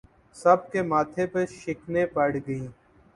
سب کے ماتھے پر شکنیں پڑ گئیں